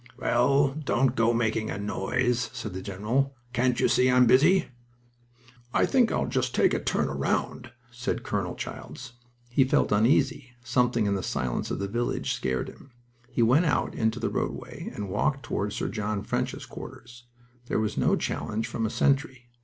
"Well, don't go making a noise," said the general, "Can't you see I'm busy?" "I think I'll just take a turn round," said Colonel Childs. He felt uneasy. Something in the silence of the village scared him. He went out into the roadway and walked toward Sir John French's quarters. There was no challenge from a sentry.